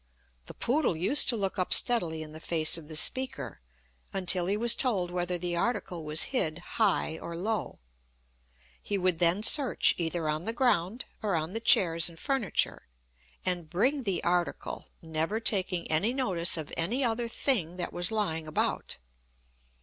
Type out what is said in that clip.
The poodle used to look up steadily in the face of the speaker, until he was told whether the article was hid high or low; he would then search either on the ground, or on the chairs and furniture, and bring the article, never taking any notice of any other thing that was lying about.